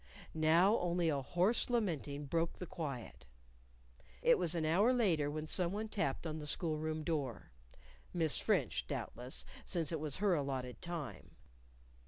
Now only a hoarse lamenting broke the quiet. It was an hour later when some one tapped on the school room door Miss French, doubtless, since it was her allotted time.